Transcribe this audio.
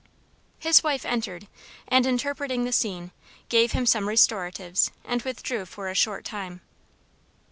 His wife entered, and interpreting the scene, gave him some restoratives, and withdrew for a short time.